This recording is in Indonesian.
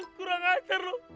kurang ajar lo